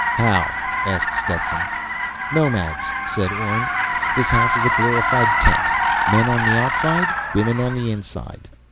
"How?" asked Stetson. "Nomads," said Orne. "This house is a glorified tent. Men on the outside, women on the inside.